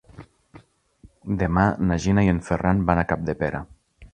Demà na Gina i en Ferran van a Capdepera.